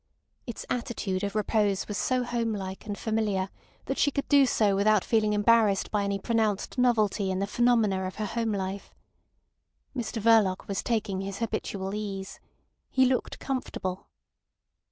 Its attitude of repose was so home like and familiar that she could do so without feeling embarrassed by any pronounced novelty in the phenomena of her home life. Mr Verloc was taking his habitual ease. He looked comfortable.